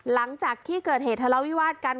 หลังจากที่เกิดเหตุทะเลาวิวาสกัน